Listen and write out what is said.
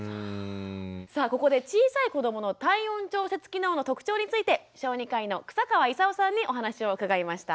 さあここで小さい子どもの体温調節機能の特徴について小児科医の草川功さんにお話を伺いました。